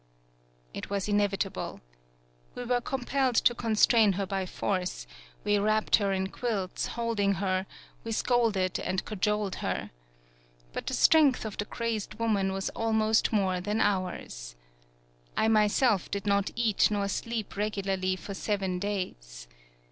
It was inevitable. We were com pelled to constrain her by force; we wrapped her in quilts, holding her; we scolded and cajoled her. But the strength of the crazed woman was al most more than ours. I myself did not eat nor sleep regularly for seven days.